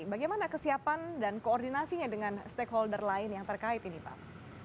bagaimana kesiapan dan koordinasinya dengan stakeholder lain yang terkait ini pak